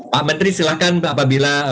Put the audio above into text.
pak menteri silahkan apabila